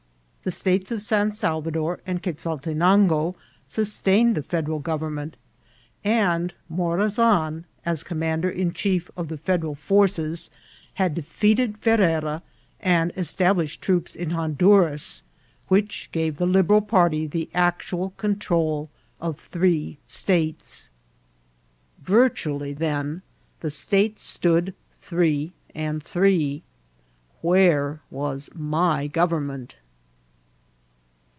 The states of San Salvador and Quezaltenango sustained the Federal Government, and Morazan, as commander in chief of the Federal forces, had defeated Ferrera, and estab lished troops in Honduras, which gave the Liberal party the actual control of three states. Virtually, then, the states stood ^^ three and three." Where was my government